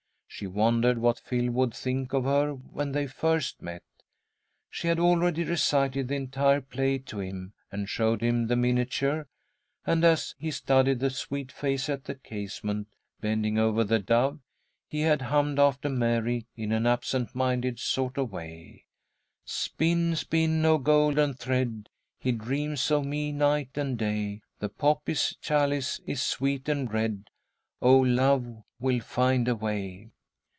She wondered what Phil would think of her when they first met. She had already recited the entire play to him, and showed him the miniature, and, as he studied the sweet face at the casement, bending over the dove, he had hummed after Mary in an absent minded sort of way: "Spin, spin, oh, golden thread, He dreams of me night and day. The poppy's chalice is sweet and red, Oh, Love will find a way."